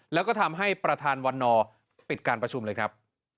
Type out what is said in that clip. แล้วก็ทำให้ประธานวันนอร์ปิดการประชุมเลยครับ